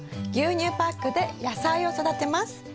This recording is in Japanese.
牛乳パックで野菜を育てます。